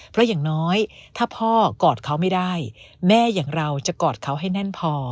เพราะอย่างน้อยถ้าพ่อกอดเขาไม่ได้แม่อย่างเราจะกอดเขาให้แน่นพอ